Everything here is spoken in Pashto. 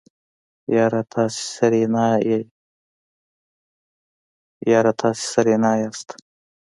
يره تاسې سېرېنا يئ.